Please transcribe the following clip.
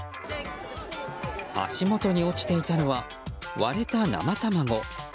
足元に落ちていたのは割れた生卵。